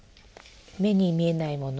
目に見えないものを。